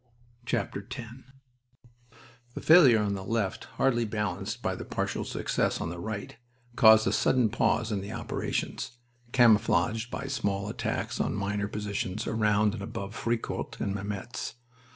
X The failure on the left hardly balanced by the partial success on the right caused a sudden pause in the operations, camouflaged by small attacks on minor positions around and above Fricourt and Mametz.